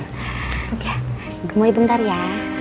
oke gemoy bentar ya